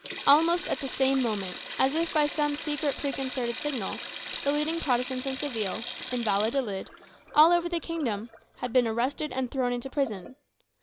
Almost at the same moment, and as if by some secret preconcerted signal, the leading Protestants in Seville, in Valladolid, all over the kingdom, had been arrested and thrown into prison.